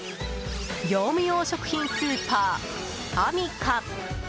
業務用食品スーパーアミカ。